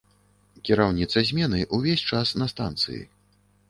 Кіраўніца змены ўвесь час на станцыі.